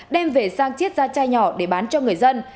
đem về sang chiết ra chai nhỏ để bán cho người dân